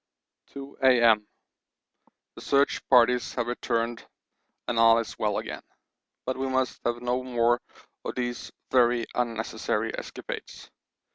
2 A.M. The search parties have returned and all is well again, but we must have no more of these very unnecessary escapades.